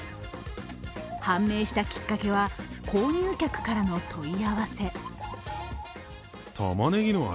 判明したきっかけは、購入客からの問い合わせ。